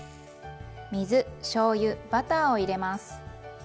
水しょうゆバターを入れます。